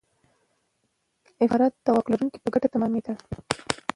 افتخارات د واک لرونکو په ګټه تمامېدل.